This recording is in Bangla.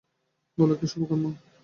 বল কী, শুভকর্ম!